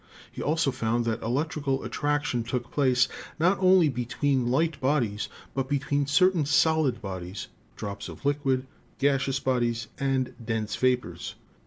He also found that electrical attraction took place not only between light bodies, but between certain solid bodies, drops of liquids, gaseous bodies, and dense vapors.